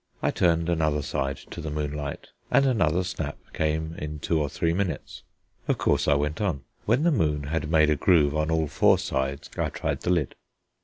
I turned another side to the moonlight, and another snap came in two or three minutes. Of course I went on. When the moon had made a groove on all four sides, I tried the lid.